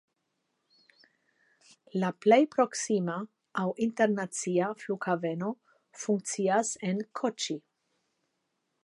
La plej proksima (ankaŭ internacia) flughaveno funkcias en Koĉi.